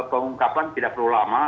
pengungkapan tidak perlu lama